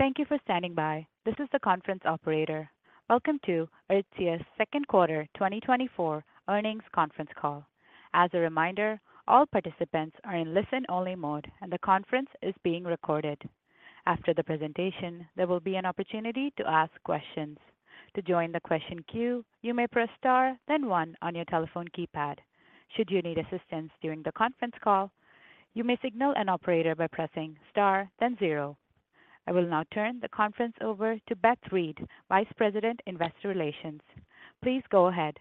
Thank you for standing by. This is the conference operator. Welcome to Aritzia's Second Quarter 2024 Earnings Conference Call. As a reminder, all participants are in listen-only mode, and the conference is being recorded. After the presentation, there will be an opportunity to ask questions. To join the question queue, you may press star, then one on your telephone keypad. Should you need assistance during the conference call, you may signal an operator by pressing star, then zero. I will now turn the conference over to Beth Reed, Vice President, Investor Relations. Please go ahead.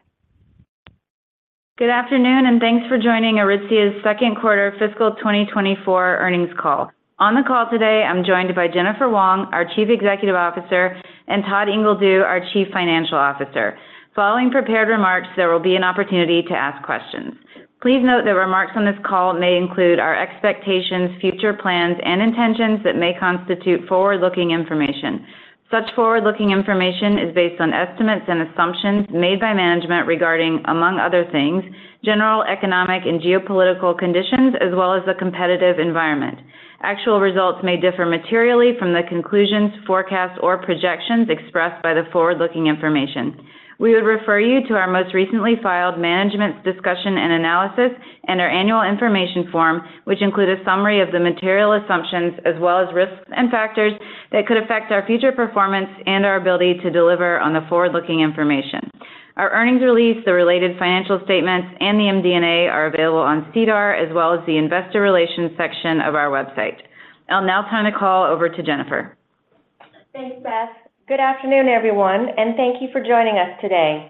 Good afternoon, and thanks for joining Aritzia's second quarter fiscal 2024 earnings call. On the call today, I'm joined by Jennifer Wong, our Chief Executive Officer, and Todd Ingledew, our Chief Financial Officer. Following prepared remarks, there will be an opportunity to ask questions. Please note that remarks on this call may include our expectations, future plans, and intentions that may constitute forward-looking information. Such forward-looking information is based on estimates and assumptions made by management regarding, among other things, general economic and geopolitical conditions, as well as the competitive environment. Actual results may differ materially from the conclusions, forecasts, or projections expressed by the forward-looking information. We would refer you to our most recently filed Management's Discussion and Analysis and our Annual Information Form, which include a summary of the material assumptions as well as risks and factors that could affect our future performance and our ability to deliver on the forward-looking information. Our earnings release, the related financial statements, and the MD&A are available on SEDAR, as well as the investor relations section of our website. I'll now turn the call over to Jennifer. Thanks, Beth. Good afternoon, everyone, and thank you for joining us today.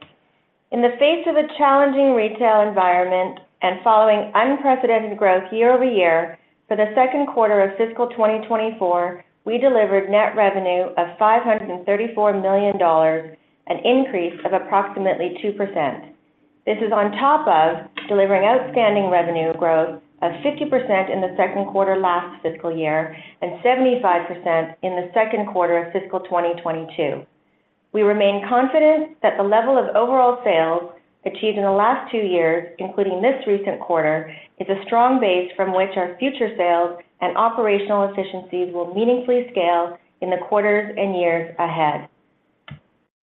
In the face of a challenging retail environment and following unprecedented growth year over year, for the second quarter of fiscal 2024, we delivered net revenue of $534 million, an increase of approximately 2%. This is on top of delivering outstanding revenue growth of 50% in the second quarter last fiscal year and 75% in the second quarter of fiscal 2022. We remain confident that the level of overall sales achieved in the last two years, including this recent quarter, is a strong base from which our future sales and operational efficiencies will meaningfully scale in the quarters and years ahead.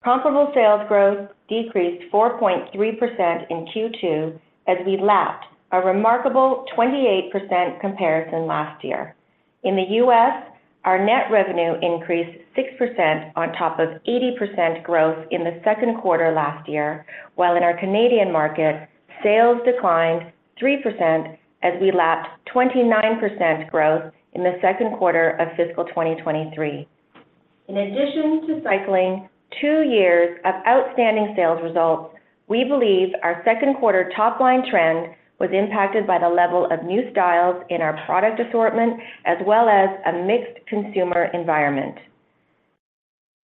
Comparable sales growth decreased 4.3% in Q2 as we lapped a remarkable 28% comparison last year. In the U.S., our net revenue increased 6% on top of 80% growth in the second quarter last year, while in our Canadian market, sales declined 3% as we lapped 29% growth in the second quarter of fiscal 2023. In addition to cycling two years of outstanding sales results, we believe our second quarter top-line trend was impacted by the level of new styles in our product assortment, as well as a mixed consumer environment.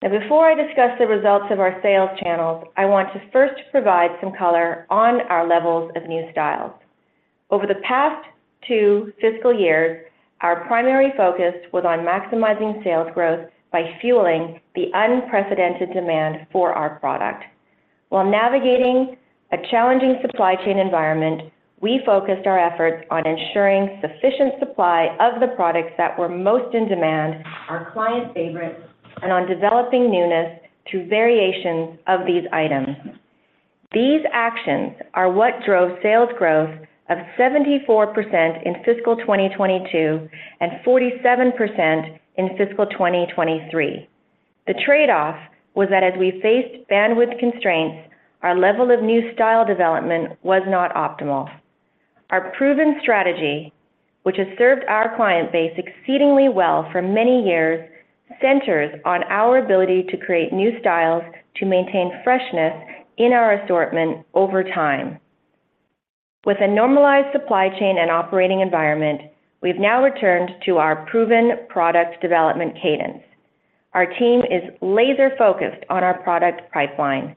Now, before I discuss the results of our sales channels, I want to first provide some color on our levels of new styles. Over the past two fiscal years, our primary focus was on maximizing sales growth by fueling the unprecedented demand for our product. While navigating a challenging supply chain environment, we focused our efforts on ensuring sufficient supply of the products that were most in demand, our client favorites, and on developing newness through variations of these items. These actions are what drove sales growth of 74% in fiscal 2022 and 47% in fiscal 2023. The trade-off was that as we faced bandwidth constraints, our level of new style development was not optimal. Our proven strategy, which has served our client base exceedingly well for many years, centers on our ability to create new styles to maintain freshness in our assortment over time. With a normalized supply chain and operating environment, we've now returned to our proven product development cadence. Our team is laser-focused on our product pipeline.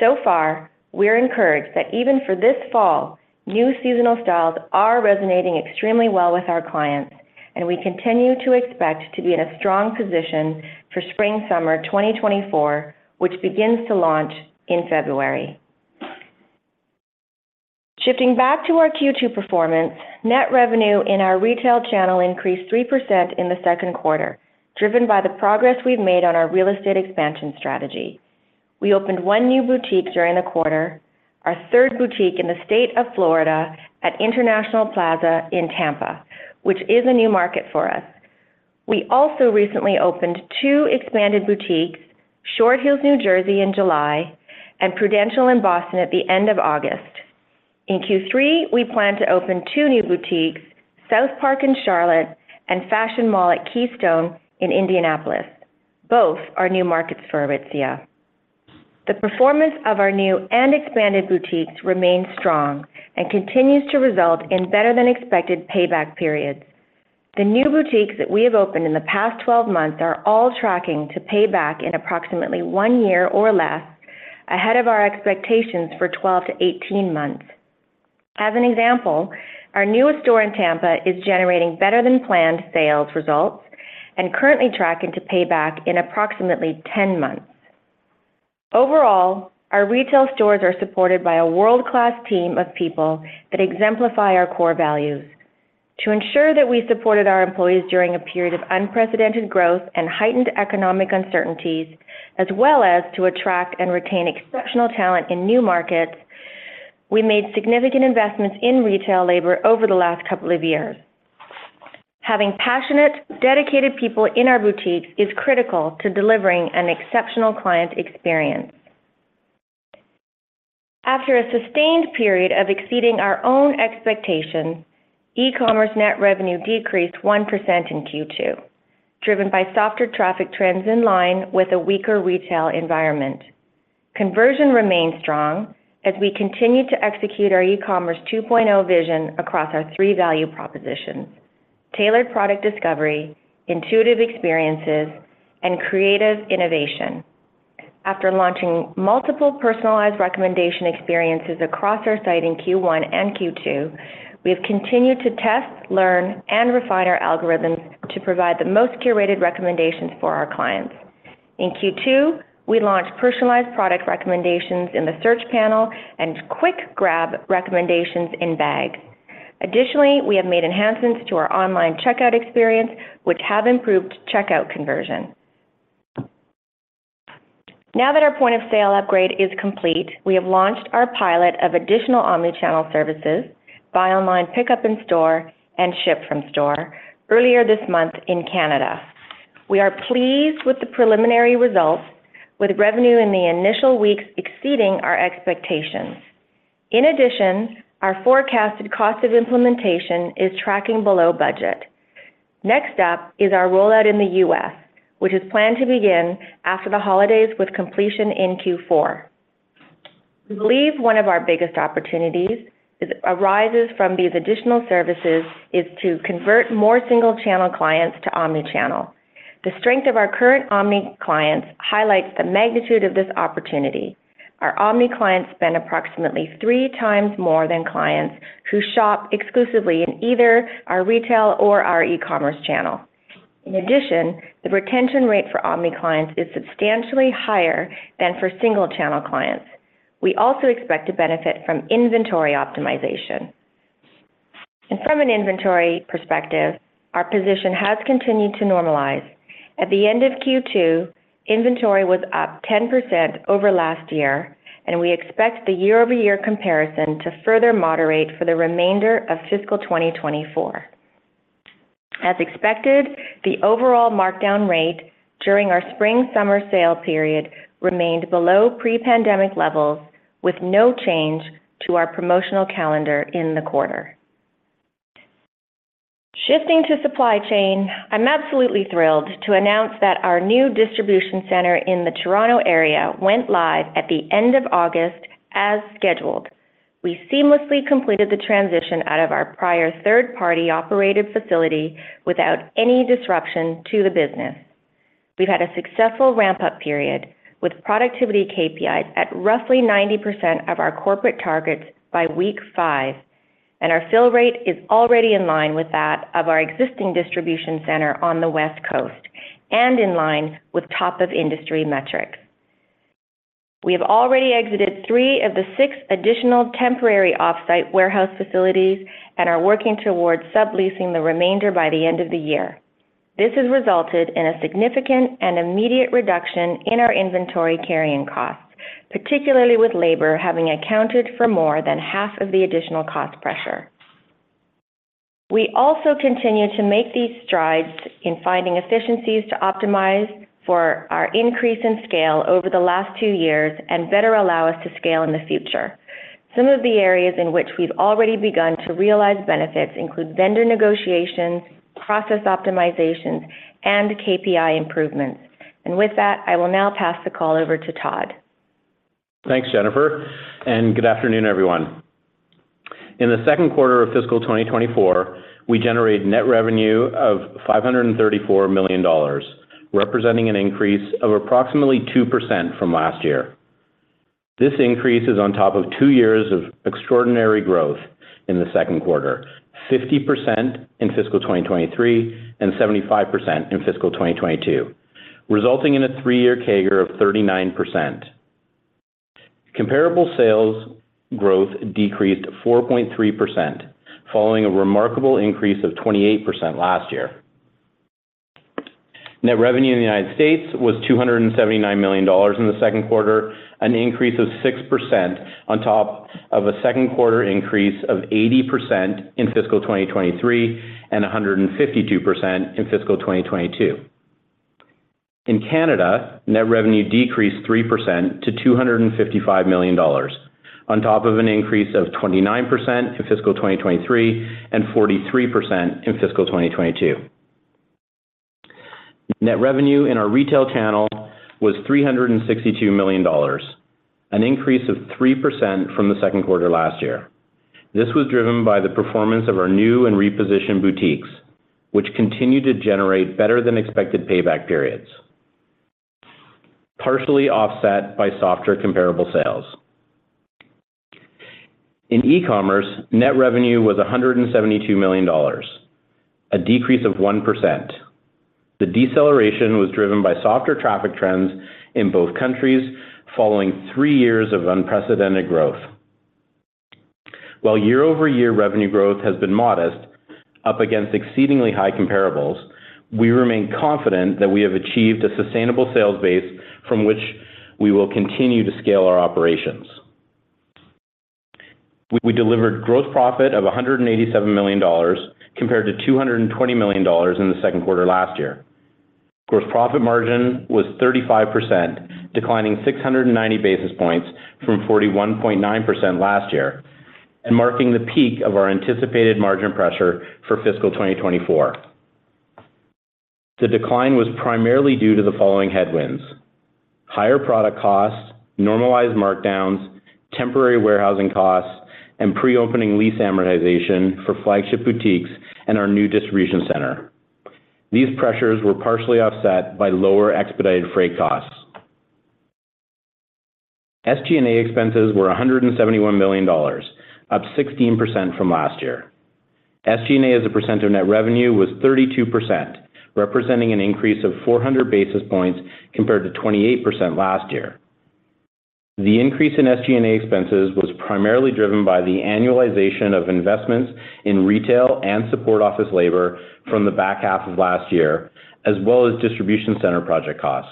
So far, we're encouraged that even for this fall, new seasonal styles are resonating extremely well with our clients, and we continue to expect to be in a strong position for Spring/Summer 2024, which begins to launch in February. Shifting back to our Q2 performance, net revenue in our retail channel increased 3% in the second quarter, driven by the progress we've made on our real estate expansion strategy. We opened 1 new boutique during the quarter, our third boutique in the state of Florida at International Plaza in Tampa, which is a new market for us. We also recently opened 2 expanded boutiques, Short Hills, New Jersey in July and Prudential in Boston at the end of August. In Q3, we plan to open 2 new boutiques, SouthPark in Charlotte and Fashion Mall at Keystone in Indianapolis. Both are new markets for Aritzia. The performance of our new and expanded boutiques remains strong and continues to result in better-than-expected payback periods. The new boutiques that we have opened in the past 12 months are all tracking to pay back in approximately 1 year or less, ahead of our expectations for 12-18 months. As an example, our newest store in Tampa is generating better-than-planned sales results and currently tracking to pay back in approximately 10 months. Overall, our retail stores are supported by a world-class team of people that exemplify our core values. To ensure that we supported our employees during a period of unprecedented growth and heightened economic uncertainties, as well as to attract and retain exceptional talent in new markets, we made significant investments in retail labor over the last couple of years. Having passionate, dedicated people in our boutiques is critical to delivering an exceptional client experience. After a sustained period of exceeding our own expectations, e-commerce net revenue decreased 1% in Q2, driven by softer traffic trends in line with a weaker retail environment. Conversion remained strong as we continued to execute our eCommerce 2.0 vision across our three value propositions: tailored product discovery, intuitive experiences, and creative innovation. After launching multiple personalized recommendation experiences across our site in Q1 and Q2, we have continued to test, learn, and refine our algorithms to provide the most curated recommendations for our clients. In Q2, we launched personalized product recommendations in the search panel and quick grab recommendations in bag. Additionally, we have made enhancements to our online checkout experience, which have improved checkout conversion. Now that our point-of-sale upgrade is complete, we have launched our pilot of additional omni-channel services, buy online, pickup in store, and ship from store, earlier this month in Canada. We are pleased with the preliminary results, with revenue in the initial weeks exceeding our expectations. In addition, our forecasted cost of implementation is tracking below budget. Next up is our rollout in the U.S., which is planned to begin after the holidays with completion in Q4. We believe one of our biggest opportunities arises from these additional services is to convert more single-channel clients to omni-channel. The strength of our current omni clients highlights the magnitude of this opportunity. Our omni clients spend approximately three times more than clients who shop exclusively in either our retail or our e-commerce channel. In addition, the retention rate for omni clients is substantially higher than for single-channel clients. We also expect to benefit from inventory optimization. From an inventory perspective, our position has continued to normalize. At the end of Q2, inventory was up 10% over last year, and we expect the year-over-year comparison to further moderate for the remainder of fiscal 2024. As expected, the overall markdown rate during our spring-summer sale period remained below pre-pandemic levels, with no change to our promotional calendar in the quarter. Shifting to supply chain, I'm absolutely thrilled to announce that our new distribution center in the Toronto area went live at the end of August as scheduled. We seamlessly completed the transition out of our prior third-party operated facility without any disruption to the business. We've had a successful ramp-up period, with productivity KPIs at roughly 90% of our corporate targets by week 5, and our fill rate is already in line with that of our existing distribution center on the West Coast, and in line with top of industry metrics. We have already exited 3 of the 6 additional temporary off-site warehouse facilities and are working towards subleasing the remainder by the end of the year. This has resulted in a significant and immediate reduction in our inventory carrying costs, particularly with labor having accounted for more than half of the additional cost pressure. We also continue to make these strides in finding efficiencies to optimize for our increase in scale over the last 2 years and better allow us to scale in the future. Some of the areas in which we've already begun to realize benefits include vendor negotiations, process optimizations, and KPI improvements. With that, I will now pass the call over to Todd. Thanks, Jennifer, and good afternoon, everyone. In the second quarter of fiscal 2024, we generated net revenue of $534 million, representing an increase of approximately 2% from last year. This increase is on top of 2 years of extraordinary growth in the second quarter, 50% in fiscal 2023 and 75% in fiscal 2022, resulting in a 3-year CAGR of 39%. Comparable sales growth decreased 4.3%, following a remarkable increase of 28% last year. Net revenue in the United States was $279 million in the second quarter, an increase of 6% on top of a second quarter increase of 80% in fiscal 2023 and 152% in fiscal 2022. In Canada, net revenue decreased 3% to $255 million, on top of an increase of 29% in fiscal 2023 and 43% in fiscal 2022. Net revenue in our retail channel was $362 million, an increase of 3% from the second quarter last year. This was driven by the performance of our new and repositioned boutiques, which continued to generate better-than-expected payback periods, partially offset by softer comparable sales. In e-commerce, net revenue was $172 million, a decrease of 1%. The deceleration was driven by softer traffic trends in both countries, following three years of unprecedented growth. While year-over-year revenue growth has been modest, up against exceedingly high comparables, we remain confident that we have achieved a sustainable sales base from which we will continue to scale our operations. We delivered gross profit of $187 million, compared to $220 million in the second quarter last year. Gross profit margin was 35%, declining 690 basis points from 41.9% last year, and marking the peak of our anticipated margin pressure for fiscal 2024. The decline was primarily due to the following headwinds: higher product costs, normalized markdowns, temporary warehousing costs, and pre-opening lease amortization for flagship boutiques and our new distribution center. These pressures were partially offset by lower expedited freight costs. SG&A expenses were $171 million, up 16% from last year. SG&A, as a percent of net revenue, was 32%, representing an increase of 400 basis points compared to 28% last year. The increase in SG&A expenses was primarily driven by the annualization of investments in retail and Support Office labor from the back half of last year, as well as distribution center project costs.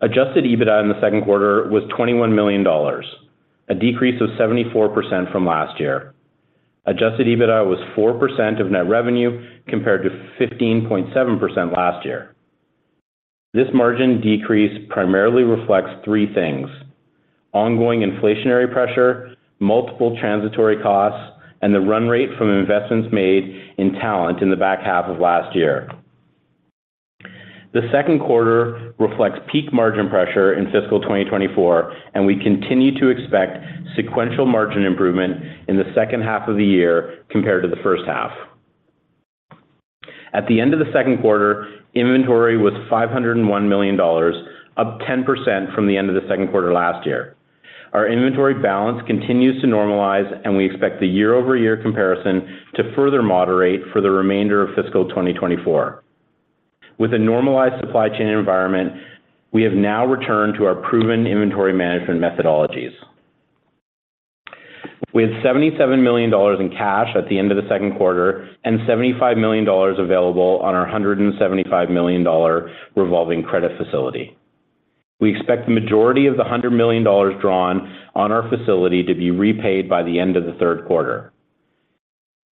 Adjusted EBITDA in the second quarter was $21 million, a decrease of 74% from last year. Adjusted EBITDA was 4% of net revenue, compared to 15.7% last year. This margin decrease primarily reflects three things: ongoing inflationary pressure, multiple transitory costs, and the run rate from investments made in talent in the back half of last year. The second quarter reflects peak margin pressure in fiscal 2024, and we continue to expect sequential margin improvement in the second half of the year compared to the first half. At the end of the second quarter, inventory was $501 million, up 10% from the end of the second quarter last year. Our inventory balance continues to normalize, and we expect the year-over-year comparison to further moderate for the remainder of fiscal 2024. With a normalized supply chain environment, we have now returned to our proven inventory management methodologies. With $77 million in cash at the end of the second quarter, and $75 million available on our $175 million revolving credit facility. We expect the majority of the $100 million drawn on our facility to be repaid by the end of the third quarter.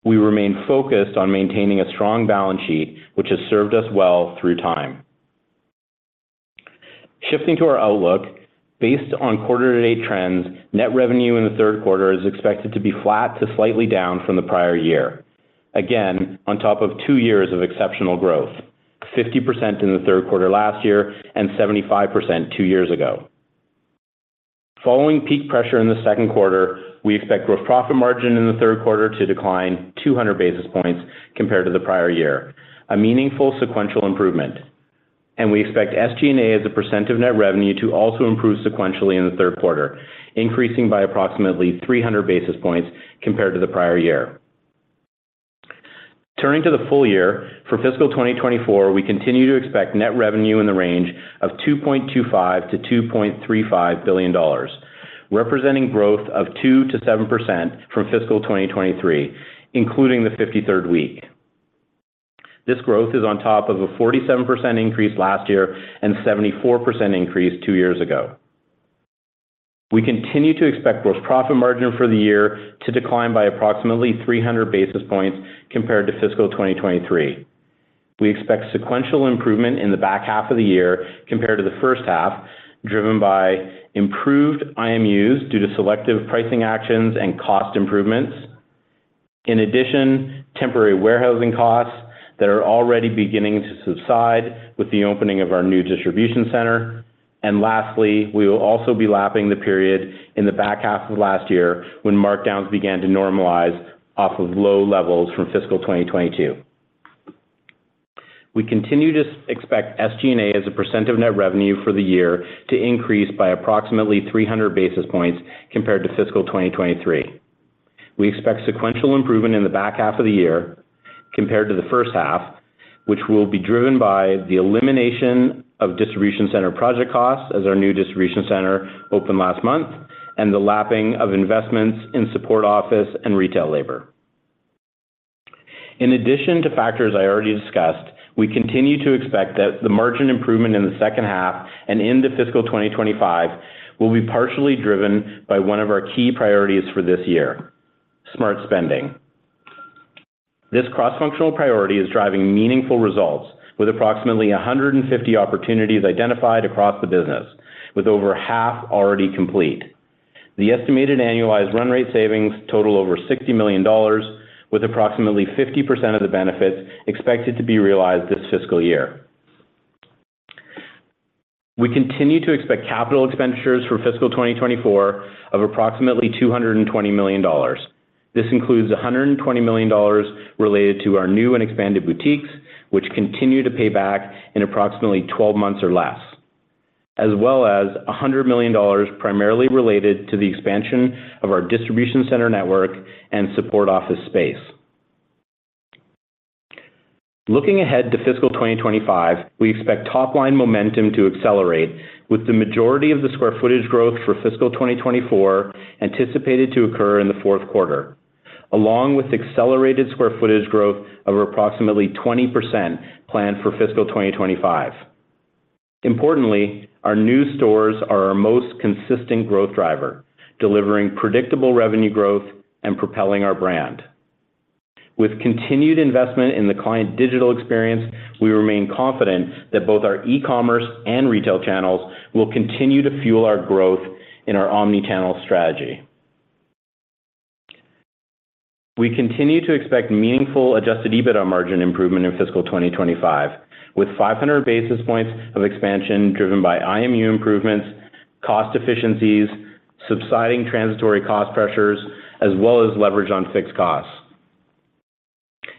We remain focused on maintaining a strong balance sheet, which has served us well through time. Shifting to our outlook, based on quarter-to-date trends, net revenue in the third quarter is expected to be flat to slightly down from the prior year. Again, on top of two years of exceptional growth, 50% in the third quarter last year and 75% two years ago. Following peak pressure in the second quarter, we expect gross profit margin in the third quarter to decline 200 basis points compared to the prior year, a meaningful sequential improvement. We expect SG&A as a percent of net revenue to also improve sequentially in the third quarter, increasing by approximately 300 basis points compared to the prior year. Turning to the full year, for fiscal 2024, we continue to expect net revenue in the range of $2.25 billion-$2.35 billion, representing growth of 2%-7% from fiscal 2023, including the 53rd week. This growth is on top of a 47% increase last year and 74% increase two years ago. We continue to expect gross profit margin for the year to decline by approximately 300 basis points compared to fiscal 2023. We expect sequential improvement in the back half of the year compared to the first half, driven by improved IMUs due to selective pricing actions and cost improvements. In addition, temporary warehousing costs that are already beginning to subside with the opening of our new distribution center. And lastly, we will also be lapping the period in the back half of last year when markdowns began to normalize off of low levels from fiscal 2022. We continue to expect SG&A as a percent of net revenue for the year to increase by approximately 300 basis points compared to fiscal 2023. We expect sequential improvement in the back half of the year compared to the first half, which will be driven by the elimination of distribution center project costs as our new distribution center opened last month, and the lapping of investments in Support Office, and retail labor. In addition to factors I already discussed, we continue to expect that the margin improvement in the second half and into fiscal 2025 will be partially driven by one of our key priorities for this year: Smart Spending. This cross-functional priority is driving meaningful results with approximately 150 opportunities identified across the business, with over half already complete. The estimated annualized run rate savings total over $60 million, with approximately 50% of the benefits expected to be realized this fiscal year. We continue to expect capital expenditures for fiscal 2024 of approximately $220 million. This includes $120 million related to our new and expanded boutiques, which continue to pay back in approximately 12 months or less, as well as $100 million primarily related to the expansion of our distribution center network and Support Office space. Looking ahead to fiscal 2025, we expect top line momentum to accelerate, with the majority of the square footage growth for fiscal 2024 anticipated to occur in the fourth quarter, along with accelerated square footage growth of approximately 20% planned for fiscal 2025. Importantly, our new stores are our most consistent growth driver, delivering predictable revenue growth and propelling our brand. With continued investment in the client digital experience, we remain confident that both our e-commerce and retail channels will continue to fuel our growth in our omni-channel strategy. We continue to expect meaningful Adjusted EBITDA margin improvement in fiscal 2025, with 500 basis points of expansion driven by IMU improvements, cost efficiencies, subsiding transitory cost pressures, as well as leverage on fixed costs.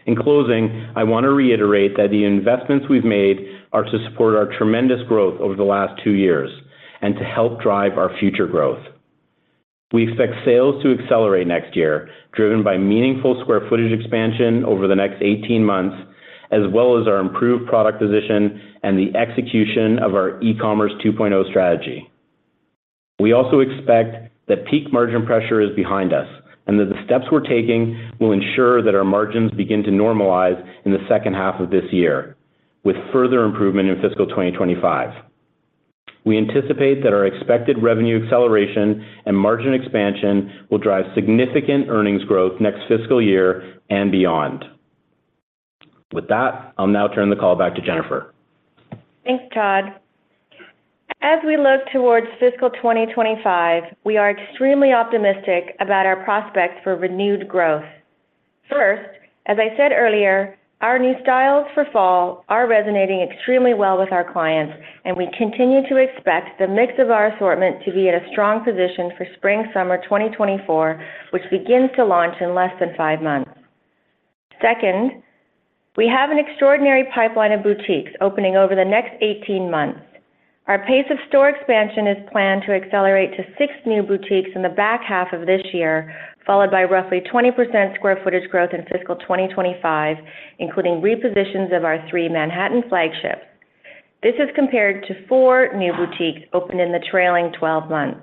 In closing, I want to reiterate that the investments we've made are to support our tremendous growth over the last two years and to help drive our future growth. We expect sales to accelerate next year, driven by meaningful square footage expansion over the next 18 months, as well as our improved product position and the execution of our eCommerce 2.0 strategy. We also expect that peak margin pressure is behind us, and that the steps we're taking will ensure that our margins begin to normalize in the second half of this year, with further improvement in fiscal 2025. We anticipate that our expected revenue acceleration and margin expansion will drive significant earnings growth next fiscal year and beyond. With that, I'll now turn the call back to Jennifer. Thanks, Todd. As we look towards fiscal 2025, we are extremely optimistic about our prospects for renewed growth. First, as I said earlier, our new styles for fall are resonating extremely well with our clients, and we continue to expect the mix of our assortment to be in a strong position for Spring/Summer 2024, which begins to launch in less than five months. Second, we have an extraordinary pipeline of boutiques opening over the next 18 months. Our pace of store expansion is planned to accelerate to six new boutiques in the back half of this year, followed by roughly 20% square footage growth in fiscal 2025, including repositions of our three Manhattan flagships. This is compared to four new boutiques opened in the trailing 12 months.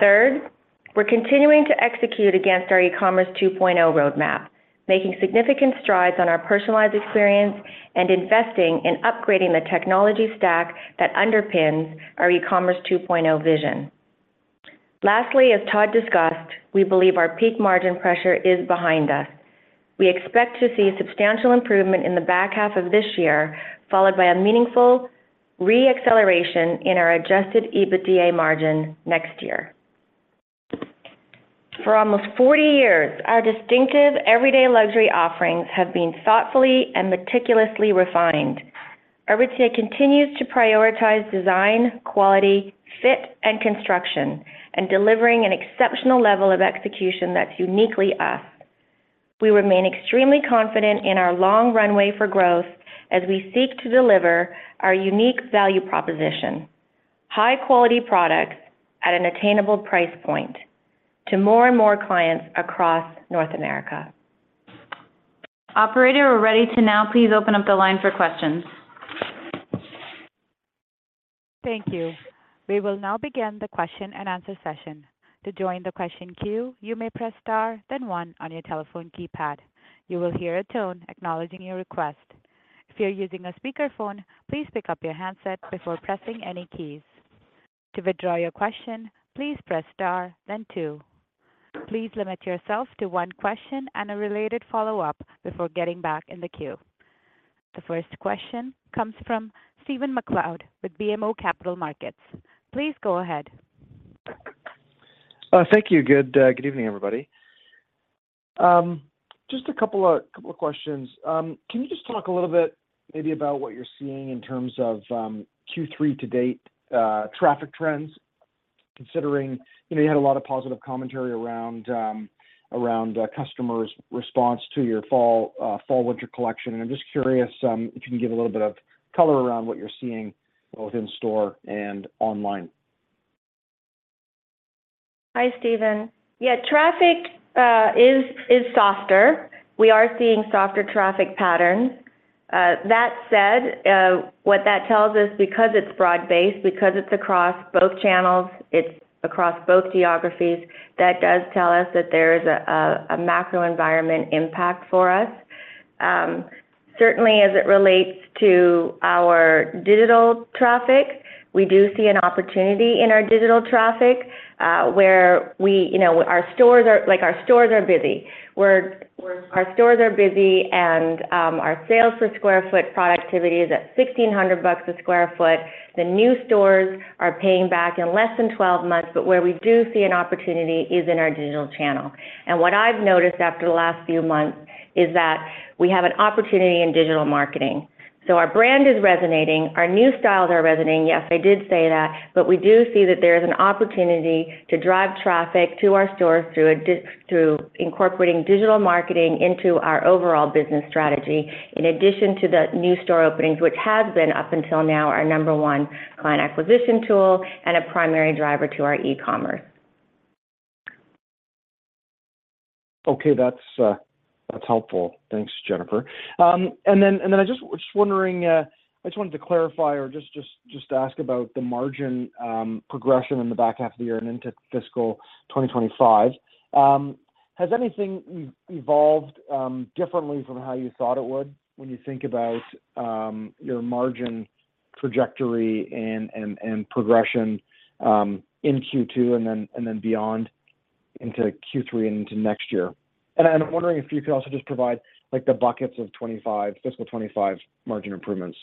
Third, we're continuing to execute against our eCommerce 2.0 roadmap, making significant strides on our personalized experience and investing in upgrading the technology stack that underpins our eCommerce 2.0 vision. Lastly, as Todd discussed, we believe our peak margin pressure is behind us. We expect to see substantial improvement in the back half of this year, followed by a meaningful re-acceleration in our Adjusted EBITDA margin next year. For almost 40 years, our distinctive Everyday Luxury offerings have been thoughtfully and meticulously refined. Aritzia continues to prioritize design, quality, fit, and construction, and delivering an exceptional level of execution that's uniquely us. We remain extremely confident in our long runway for growth as we seek to deliver our unique value proposition, high-quality products at an attainable price point to more and more clients across North America. Operator, we're ready now. Please open up the line for questions. Thank you. We will now begin the question-and-answer session. To join the question queue, you may press star, then one on your telephone keypad. You will hear a tone acknowledging your request. If you're using a speakerphone, please pick up your handset before pressing any keys. To withdraw your question, please press star, then two. Please limit yourself to one question and a related follow-up before getting back in the queue. The first question comes from Stephen MacLeod with BMO Capital Markets. Please go ahead. Thank you. Good evening, everybody. Just a couple of questions. Can you just talk a little bit maybe about what you're seeing in terms of Q3 to date traffic trends? Considering you know you had a lot of positive commentary around customers' response to your Fall/Winter collection, and I'm just curious if you can give a little bit of color around what you're seeing, both in store and online. Hi, Stephen. Yeah, traffic is softer. We are seeing softer traffic patterns. That said, what that tells us, because it's broad-based, because it's across both channels, it's across both geographies, that does tell us that there is a macro environment impact for us. Certainly, as it relates to our digital traffic, we do see an opportunity in our digital traffic, where we... You know, our stores are like, our stores are busy. Where our stores are busy and, our sales for square foot productivity is at $1,600 a sq ft. The new stores are paying back in less than 12 months, but where we do see an opportunity is in our digital channel. And what I've noticed after the last few months is that we have an opportunity in digital marketing. So our brand is resonating, our new styles are resonating. Yes, I did say that, but we do see that there is an opportunity to drive traffic to our stores through incorporating digital marketing into our overall business strategy, in addition to the new store openings, which has been, up until now, our number one client acquisition tool and a primary driver to our e-commerce.... Okay, that's, that's helpful. Thanks, Jennifer. And then, and then I just was just wondering, I just wanted to clarify or just ask about the margin progression in the back half of the year and into fiscal 2025. Has anything evolved differently from how you thought it would when you think about your margin trajectory and progression in Q2 and then beyond into Q3 and into next year? And I'm wondering if you could also just provide, like, the buckets of 25, fiscal 2025 margin improvements.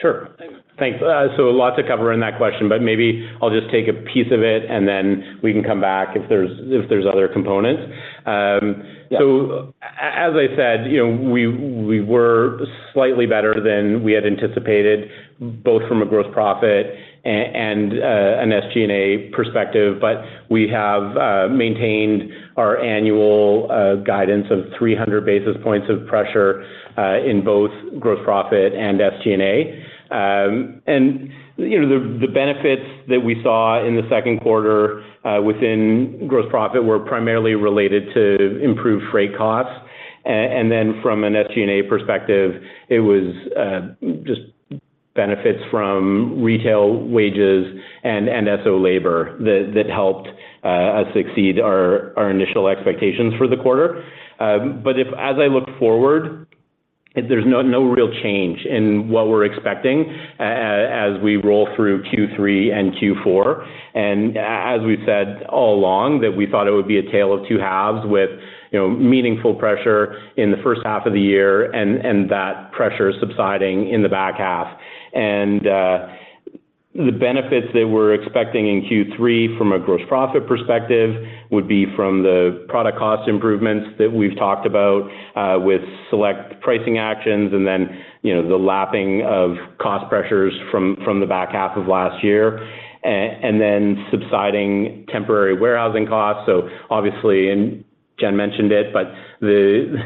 Sure. Thanks. Thanks. So a lot to cover in that question, but maybe I'll just take a piece of it, and then we can come back if there's, if there's other components. Yeah. So as I said, you know, we were slightly better than we had anticipated, both from a gross profit and an SG&A perspective, but we have maintained our annual guidance of 300 basis points of pressure in both gross profit and SG&A. And you know, the benefits that we saw in the second quarter within gross profit were primarily related to improved freight costs. And then from an SG&A perspective, it was just benefits from retail wages and S.O. labor that helped us exceed our initial expectations for the quarter. But as I look forward, there's no real change in what we're expecting as we roll through Q3 and Q4. As we've said all along, that we thought it would be a tale of two halves with, you know, meaningful pressure in the first half of the year and that pressure subsiding in the back half. The benefits that we're expecting in Q3 from a gross profit perspective would be from the product cost improvements that we've talked about with select pricing actions, and then, you know, the lapping of cost pressures from the back half of last year, and then subsiding temporary warehousing costs. So obviously, and Jen mentioned it, but the,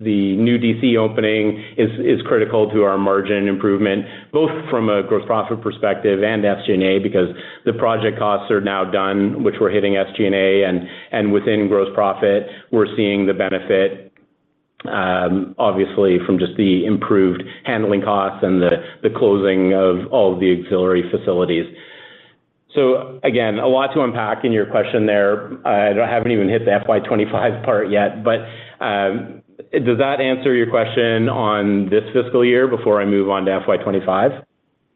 the new DC opening is, is critical to our margin improvement, both from a gross profit perspective and SG&A, because the project costs are now done, which were hitting SG&A, and, and within gross profit, we're seeing the benefit, obviously from just the improved handling costs and the, the closing of all the auxiliary facilities. So again, a lot to unpack in your question there. I haven't even hit the FY 2025 part yet, but, does that answer your question on this fiscal year before I move on to FY 2025?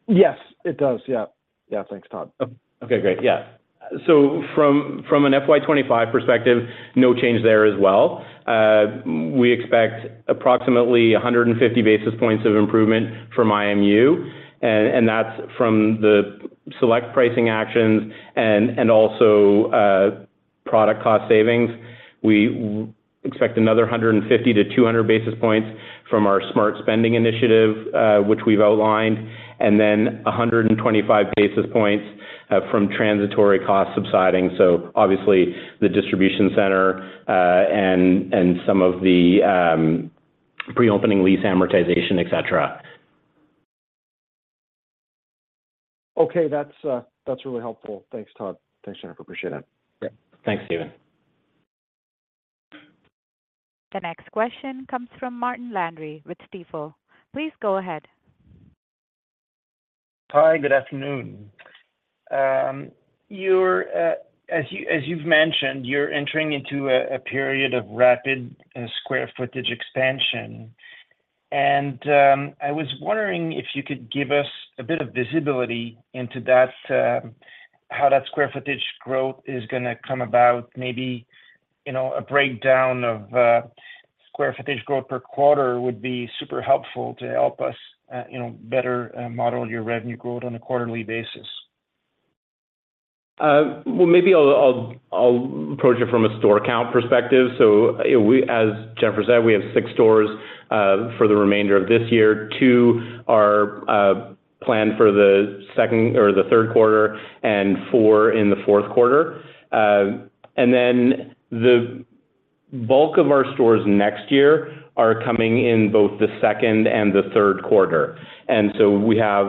Yes, it does. Yeah. Yeah, thanks, Todd. Okay, great. Yeah. So from, from an FY 2025 perspective, no change there as well. We expect approximately 150 basis points of improvement from IMU, and, and that's from the select pricing actions and, and also, product cost savings. We expect another 150-200 basis points from our Smart Spending initiative, which we've outlined, and then 125 basis points from transitory cost subsiding. So obviously, the distribution center, and, and some of the, pre-opening lease amortization, et cetera. Okay, that's, that's really helpful. Thanks, Todd. Thanks, Jennifer. Appreciate it. Yeah. Thanks, Stephen. The next question comes from Martin Landry with Stifel. Please go ahead. Hi, good afternoon. You're, as you've mentioned, you're entering into a period of rapid square footage expansion. I was wondering if you could give us a bit of visibility into that, how that square footage growth is gonna come about. Maybe, you know, a breakdown of square footage growth per quarter would be super helpful to help us, you know, better model your revenue growth on a quarterly basis. Well, maybe I'll approach it from a store count perspective. So we, as Jennifer said, we have 6 stores for the remainder of this year. 2 are planned for the second or the third quarter and 4 in the fourth quarter. And then the bulk of our stores next year are coming in both the second and the third quarter. And so we have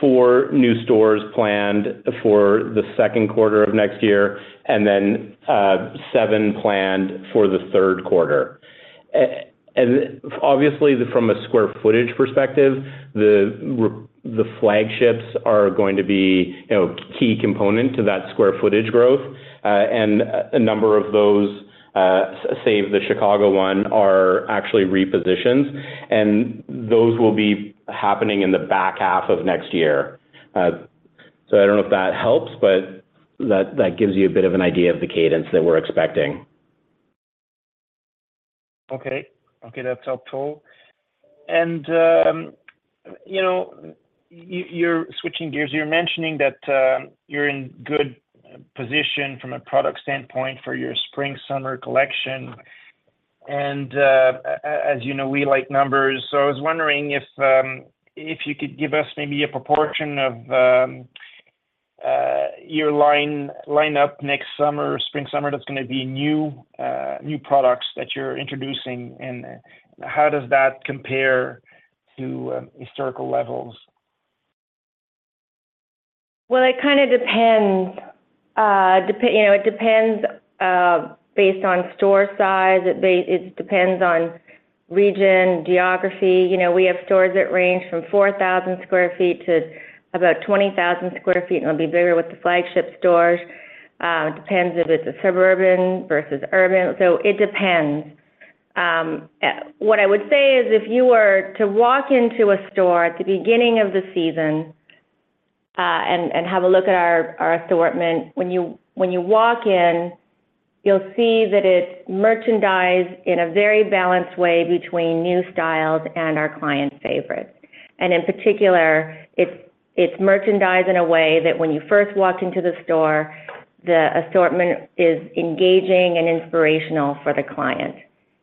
4 new stores planned for the second quarter of next year, and then 7 planned for the third quarter. And obviously, from a square footage perspective, the flagships are going to be, you know, key component to that square footage growth. And a number of those, save the Chicago one, are actually repositions, and those will be happening in the back half of next year. So, I don't know if that helps, but that, that gives you a bit of an idea of the cadence that we're expecting. Okay. Okay, that's helpful. And, you know, you're switching gears. You're mentioning that, you're in good position from a product standpoint for your Spring/Summer collection. And, as you know, we like numbers. So I was wondering if, if you could give us maybe a proportion of, your line, line up next summer or Spring/Summer, that's gonna be new, new products that you're introducing, and how does that compare to, historical levels? Well, it kind of depends, you know, it depends based on store size, it depends on region, geography. You know, we have stores that range from 4,000 sq ft to about 20,000 sq ft, and it'll be bigger with the flagship stores. It depends if it's a suburban versus urban, so it depends. What I would say is, if you were to walk into a store at the beginning of the season and have a look at our assortment, when you walk in, you'll see that it's merchandised in a very balanced way between new styles and our client favorites. And in particular, it's merchandised in a way that when you first walk into the store, the assortment is engaging and inspirational for the client,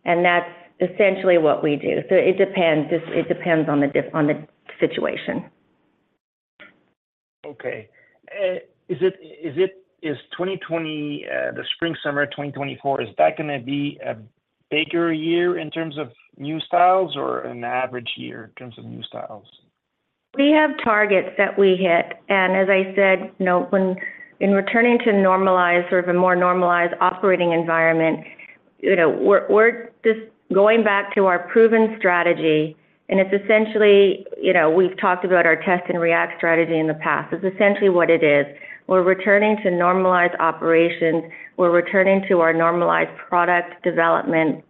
and that's essentially what we do. So it depends. It depends on the situation. Okay. Is 2024 the Spring/Summer 2024 gonna be a bigger year in terms of new styles or an average year in terms of new styles? We have targets that we hit, and as I said, you know, in returning to normalized, sort of a more normalized operating environment, you know, we're just going back to our proven strategy, and it's essentially... You know, we've talked about our test and react strategy in the past. It's essentially what it is. We're returning to normalized operations. We're returning to our normalized product development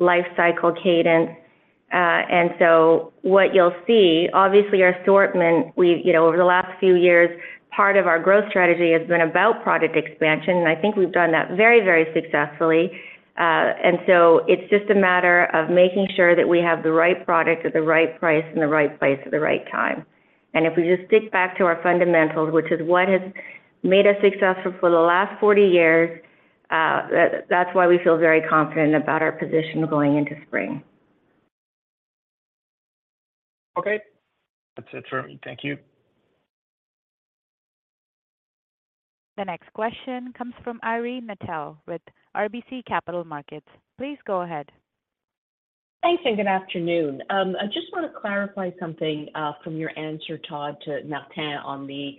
life cycle cadence, and so what you'll see... Obviously, our assortment, we've, you know, over the last few years, part of our growth strategy has been about product expansion, and I think we've done that very, very successfully. And so it's just a matter of making sure that we have the right product at the right price, in the right place, at the right time. And if we just stick back to our fundamentals, which is what has made us successful for the last 40 years, that's why we feel very confident about our position going into spring. Okay. That's it for me. Thank you. The next question comes from Irene Nattel with RBC Capital Markets. Please go ahead. Thanks, and good afternoon. I just want to clarify something from your answer, Todd, to Martin, on the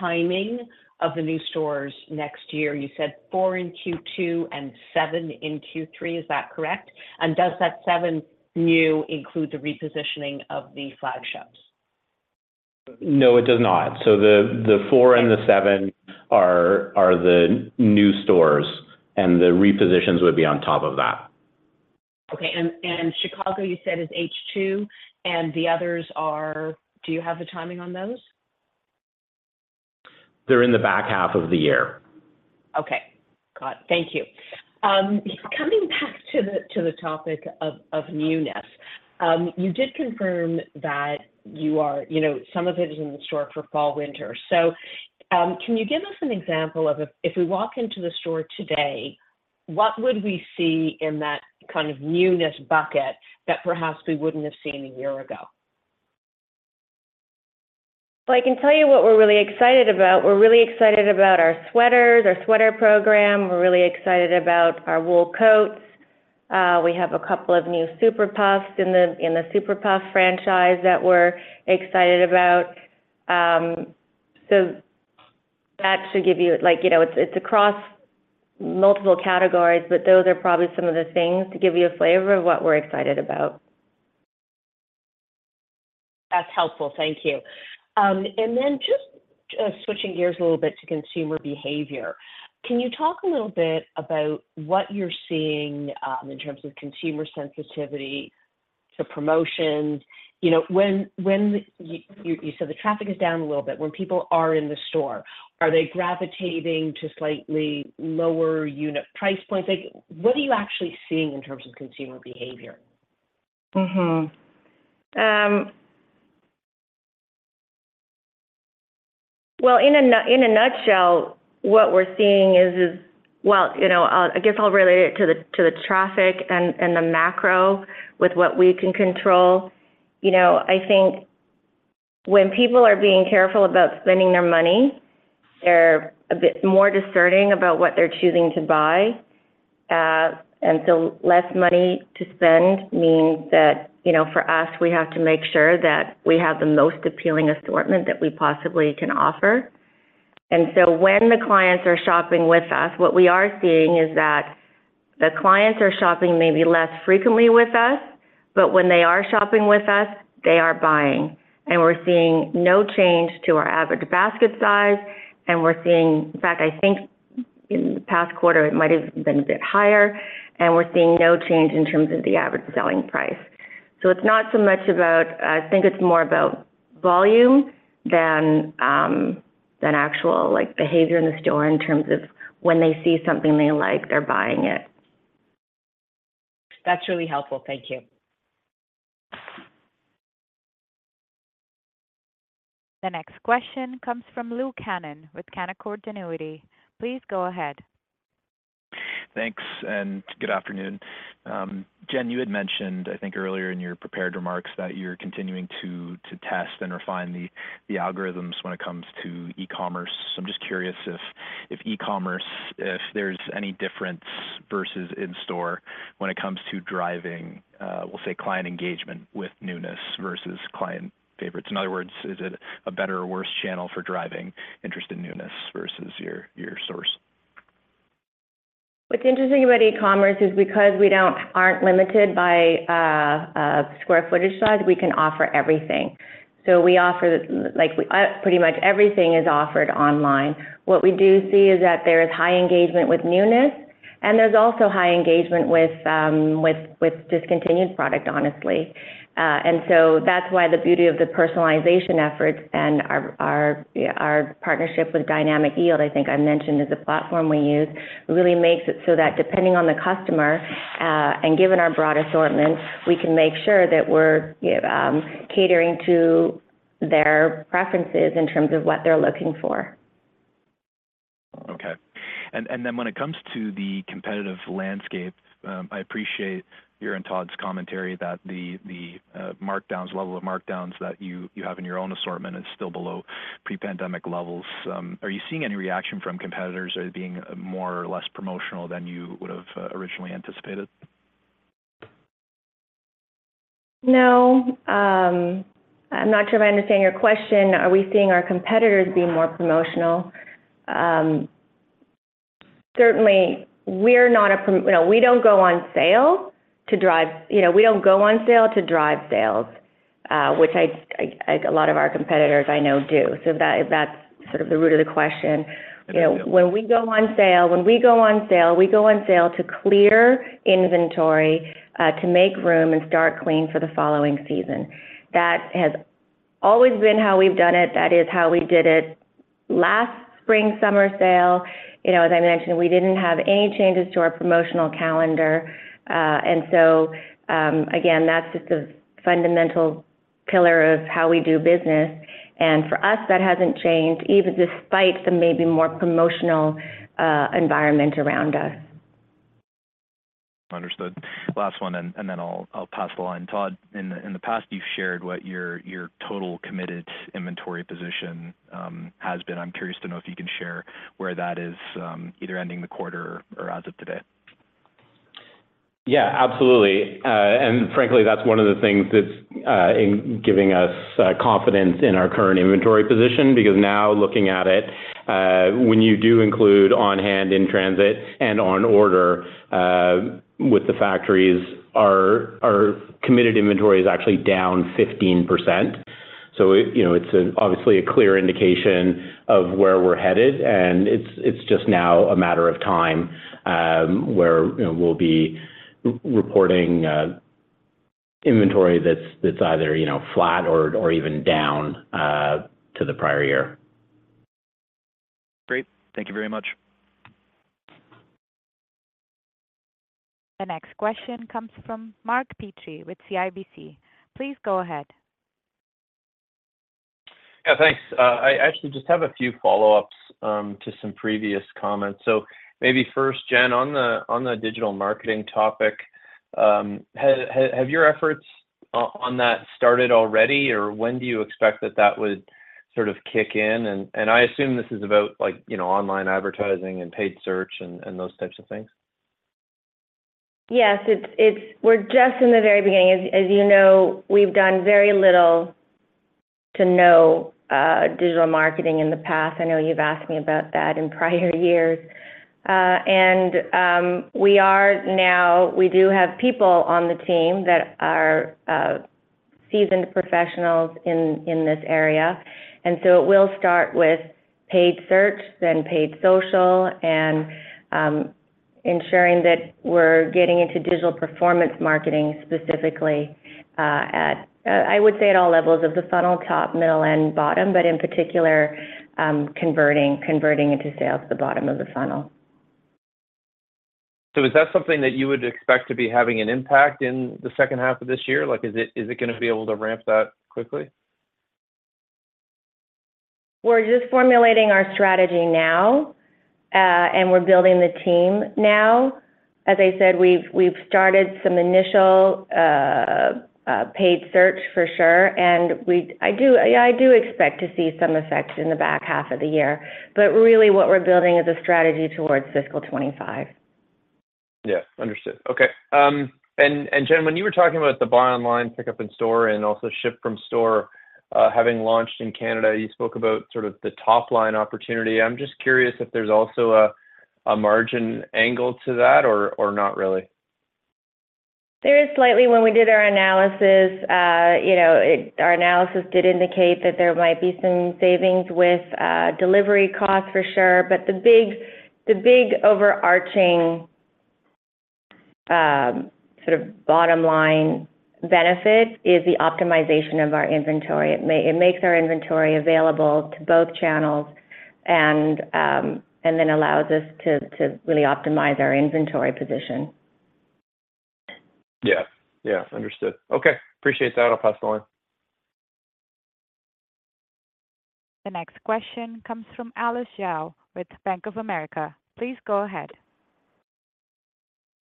timing of the new stores next year. You said 4 in Q2 and 7 in Q3. Is that correct? And does that 7 new include the repositioning of the flagships? No, it does not. So the 4 and the 7 are the new stores, and the repositions would be on top of that. Okay, and, and Chicago, you said, is H2, and the others are... Do you have the timing on those? They're in the back half of the year. Okay. Got it. Thank you. Coming back to the topic of newness, you did confirm that you are—you know, some of it is in the store for Fall/Winter. So, can you give us an example of if we walk into the store today, what would we see in that kind of newness bucket that perhaps we wouldn't have seen a year ago? Well, I can tell you what we're really excited about. We're really excited about our sweaters, our sweater program. We're really excited about our wool coats. We have a couple of new Super Puffs in the Super Puff franchise that we're excited about. So that should give you... Like, you know, it's across multiple categories, but those are probably some of the things to give you a flavor of what we're excited about. That's helpful. Thank you. And then just switching gears a little bit to consumer behavior, can you talk a little bit about what you're seeing in terms of consumer sensitivity to promotions? You know, when you said the traffic is down a little bit, when people are in the store, are they gravitating to slightly lower unit price points? Like, what are you actually seeing in terms of consumer behavior? Mm-hmm. Well, in a nutshell, what we're seeing is... Well, you know, I guess I'll relate it to the traffic and the macro with what we can control. You know, I think when people are being careful about spending their money, they're a bit more discerning about what they're choosing to buy. And so less money to spend means that, you know, for us, we have to make sure that we have the most appealing assortment that we possibly can offer. And so when the clients are shopping with us, what we are seeing is that the clients are shopping maybe less frequently with us, but when they are shopping with us, they are buying, and we're seeing no change to our average basket size, and we're seeing... In fact, I think in the past quarter, it might have been a bit higher, and we're seeing no change in terms of the average selling price. So it's not so much about. I think it's more about volume than, than actual, like, behavior in the store in terms of when they see something they like, they're buying it. That's really helpful. Thank you. The next question comes from Luke Hannan with Canaccord Genuity. Please go ahead. Thanks, and good afternoon. Jen, you had mentioned, I think earlier in your prepared remarks, that you're continuing to test and refine the algorithms when it comes to e-commerce-... So I'm just curious if, if e-commerce, if there's any difference versus in-store when it comes to driving, we'll say, client engagement with newness versus client favorites. In other words, is it a better or worse channel for driving interest in newness versus your, your source? What's interesting about e-commerce is because we aren't limited by square footage size, we can offer everything. So we offer, like, pretty much everything is offered online. What we do see is that there is high engagement with newness, and there's also high engagement with discontinued product, honestly. And so that's why the beauty of the personalization efforts and our partnership with Dynamic Yield, I think I mentioned, is a platform we use, really makes it so that depending on the customer and given our broad assortment, we can make sure that we're catering to their preferences in terms of what they're looking for. Okay. And then when it comes to the competitive landscape, I appreciate your and Todd's commentary that the level of markdowns that you have in your own assortment is still below pre-pandemic levels. Are you seeing any reaction from competitors as being more or less promotional than you would have originally anticipated? No. I'm not sure if I understand your question. Are we seeing our competitors being more promotional? Certainly, we're not a prom-- you know, we don't go on sale to drive... You know, we don't go on sale to drive sales, which I, I, a lot of our competitors I know do. So that, that's sort of the root of the question. Yeah. You know, when we go on sale, when we go on sale, we go on sale to clear inventory, to make room and start clean for the following season. That has always been how we've done it. That is how we did it last spring, summer sale. You know, as I mentioned, we didn't have any changes to our promotional calendar. And so, again, that's just a fundamental pillar of how we do business. And for us, that hasn't changed, even despite the maybe more promotional, environment around us. Understood. Last one, and then I'll pass the line. Todd, in the past, you've shared what your total committed inventory position has been. I'm curious to know if you can share where that is, either ending the quarter or as of today. Yeah, absolutely. And frankly, that's one of the things that's giving us confidence in our current inventory position, because now looking at it, when you do include on hand, in transit, and on order, with the factories, our committed inventory is actually down 15%. So, you know, it's obviously a clear indication of where we're headed, and it's just now a matter of time, where, you know, we'll be re-reporting inventory that's either, you know, flat or even down to the prior year. Great. Thank you very much. The next question comes from Mark Petrie with CIBC. Please go ahead. Yeah, thanks. I actually just have a few follow-ups to some previous comments. So maybe first, Jen, on the digital marketing topic, have your efforts on that started already, or when do you expect that that would sort of kick in? And I assume this is about, like, you know, online advertising and paid search and those types of things. Yes, it's—we're just in the very beginning. As you know, we've done very little to no digital marketing in the past. I know you've asked me about that in prior years. And we are now—we do have people on the team that are seasoned professionals in this area. And so we'll start with paid search, then paid social, and ensuring that we're getting into digital performance marketing, specifically at all levels of the funnel, top, middle, and bottom, but in particular converting into sales the bottom of the funnel. Is that something that you would expect to be having an impact in the second half of this year? Like, is it, is it gonna be able to ramp that quickly? We're just formulating our strategy now, and we're building the team now. As I said, we've started some initial paid search for sure, and I do, yeah, I do expect to see some effect in the back half of the year. But really, what we're building is a strategy towards fiscal 25. Yeah, understood. Okay. And Jen, when you were talking about the buy online, pickup in store and also ship from store, having launched in Canada, you spoke about sort of the top line opportunity. I'm just curious if there's also a margin angle to that or not really? There is slightly. When we did our analysis, you know, our analysis did indicate that there might be some savings with delivery costs, for sure. But the big, the big overarching sort of bottom line benefit is the optimization of our inventory. It makes our inventory available to both channels and then allows us to really optimize our inventory position. Yeah. Yeah, understood. Okay, appreciate that. I'll pass the line. The next question comes from Alice Xiao with Bank of America. Please go ahead.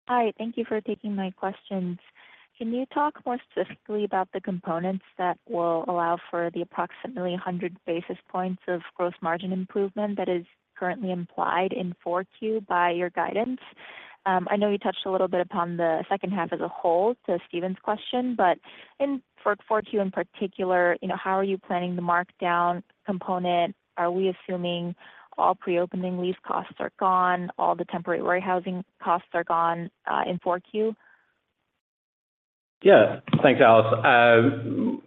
Hi, thank you for taking my questions. Can you talk more specifically about the components that will allow for the approximately 100 basis points of gross margin improvement that is currently implied in Q4 by your guidance? I know you touched a little bit upon the second half as a whole to Steven's question, but in, for Q4 in particular, you know, how are you planning the markdown component? Are we assuming all pre-opening lease costs are gone, all the temporary housing costs are gone, in Q4? Yeah. Thanks, Alice.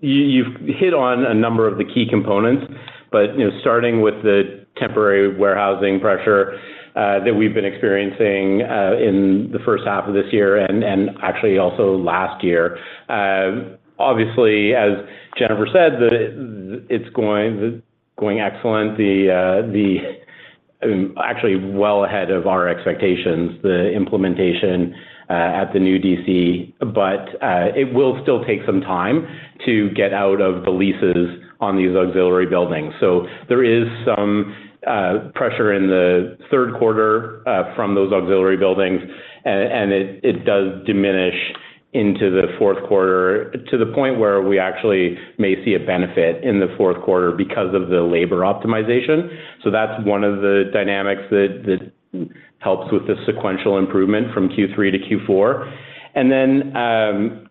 You've hit on a number of the key components, but, you know, starting with the temporary warehousing pressure that we've been experiencing in the first half of this year and actually also last year. Obviously, as Jennifer said, it's going excellent. Actually well ahead of our expectations, the implementation at the new DC. But it will still take some time to get out of the leases on these auxiliary buildings. So there is some pressure in the third quarter from those auxiliary buildings, and it does diminish into the fourth quarter, to the point where we actually may see a benefit in the fourth quarter because of the labor optimization. So that's one of the dynamics that helps with the sequential improvement from Q3 to Q4. And then,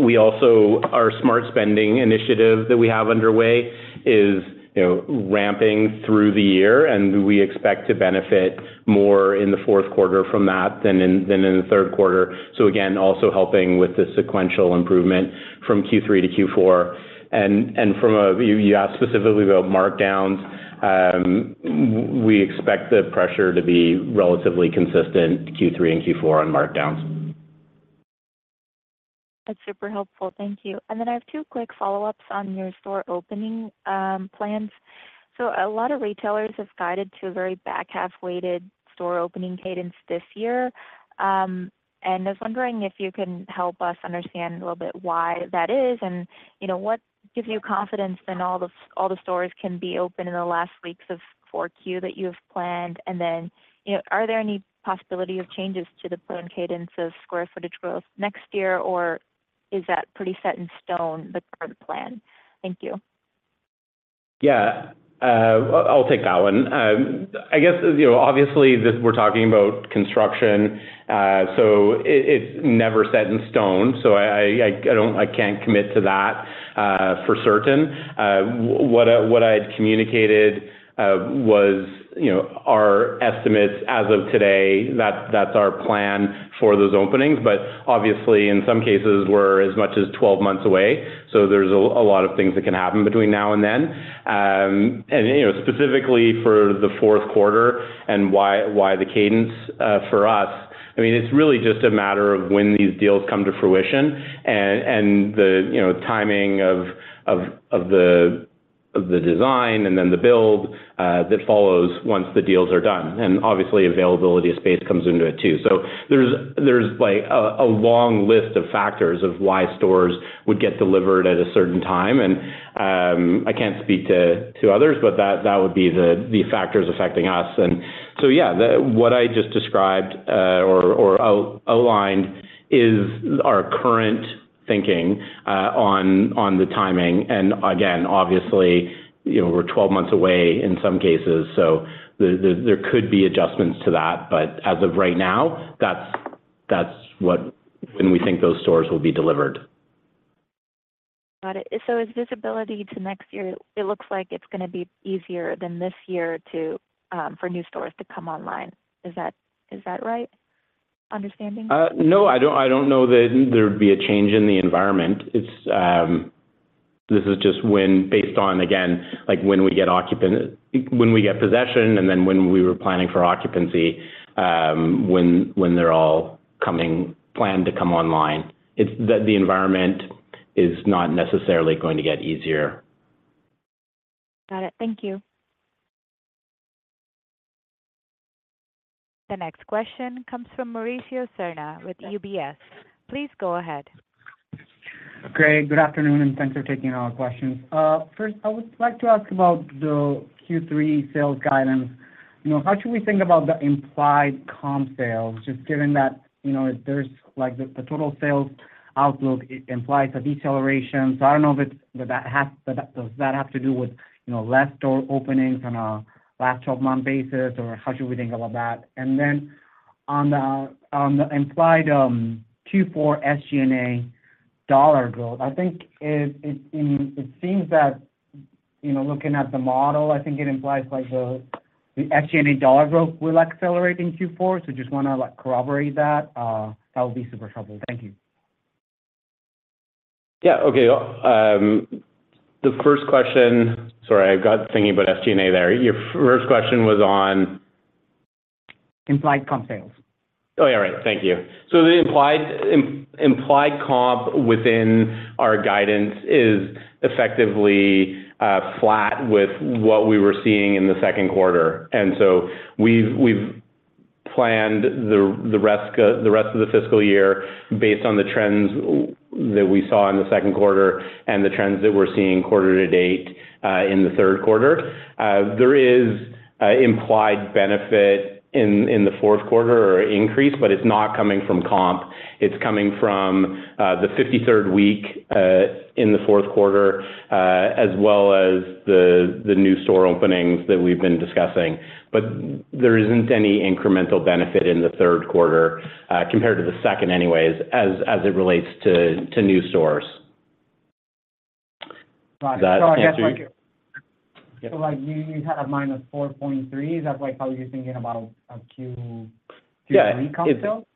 we also... Our Smart Spending initiative that we have underway is, you know, ramping through the year, and we expect to benefit more in the fourth quarter from that than in the third quarter. So again, also helping with the sequential improvement from Q3 to Q4. And from you, you asked specifically about markdowns, we expect the pressure to be relatively consistent, Q3 and Q4 on markdowns. That's super helpful. Thank you. And then I have two quick follow-ups on your store opening plans. So a lot of retailers have guided to a very back-half weighted store opening cadence this year. And I was wondering if you can help us understand a little bit why that is, and, you know, what gives you confidence that all the stores can be open in the last weeks of 4Q that you have planned? And then, you know, are there any possibility of changes to the planned cadence of square footage growth next year, or is that pretty set in stone, the current plan? Thank you. Yeah, I'll take that one. I guess, you know, obviously this, we're talking about construction, so it's never set in stone, so I can't commit to that for certain. What I had communicated was, you know, our estimates as of today, that's our plan for those openings. But obviously, in some cases, we're as much as 12 months away, so there's a lot of things that can happen between now and then. And, you know, specifically for the fourth quarter and why the cadence, for us, I mean, it's really just a matter of when these deals come to fruition and the, you know, timing of the design and then the build that follows once the deals are done. Obviously, availability of space comes into it too. So there's like a long list of factors of why stores would get delivered at a certain time, and I can't speak to others, but that would be the factors affecting us. And so, yeah, the... What I just described or outlined is our current thinking on the timing. And again, obviously, you know, we're 12 months away in some cases, so there could be adjustments to that. But as of right now, that's what—when we think those stores will be delivered. Got it. So is visibility to next year, it looks like it's gonna be easier than this year to, for new stores to come online. Is that, is that right understanding? No, I don't know that there would be a change in the environment. It's this is just when, based on, again, like when we get possession, and then when we were planning for occupancy, when they're all coming, planned to come online. The environment is not necessarily going to get easier. Got it. Thank you. The next question comes from Mauricio Serna with UBS. Please go ahead. Great, good afternoon, and thanks for taking our questions. First, I would like to ask about the Q3 sales guidance. You know, how should we think about the implied comp sales, just given that, you know, there's like the, the total sales outlook, it implies a deceleration. So I don't know if it's... Does that have, does that have to do with, you know, less store openings on a last twelve-month basis, or how should we think about that? And then on the, on the implied, Q4 SG&A dollar growth, I think it, it, it seems that, you know, looking at the model, I think it implies like the, the SG&A dollar growth will accelerate in Q4. So just want to, like, corroborate that. That would be super helpful. Thank you. Yeah. Okay. The first question... Sorry, I got thinking about SG&A there. Your first question was on? Implied Comp Sales. Oh, yeah, right. Thank you. So the implied comp within our guidance is effectively flat with what we were seeing in the second quarter. And so we've planned the rest of the fiscal year based on the trends that we saw in the second quarter and the trends that we're seeing quarter to date in the third quarter. There is implied benefit in the fourth quarter or increase, but it's not coming from comp, it's coming from the 53rd week in the fourth quarter as well as the new store openings that we've been discussing. But there isn't any incremental benefit in the third quarter compared to the second anyways, as it relates to new stores. Got it. Does that answer? Like, you had a -4.3, is that, like, how you're thinking about a Q- Yeah. Three comp sale?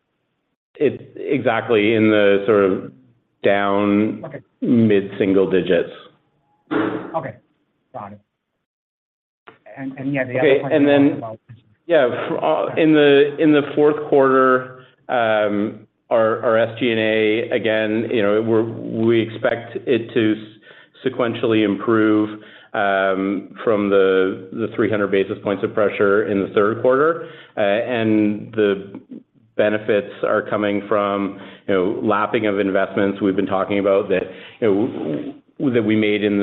It's exactly in the sort of down- Okay. Mid-single digits. Okay. Got it. And yeah, the other part- Okay, and then... Yeah, in the fourth quarter, our SG&A, again, you know, we expect it to sequentially improve from the 300 basis points of pressure in the third quarter. And the benefits are coming from, you know, lapping of investments we've been talking about that, you know, that we made in,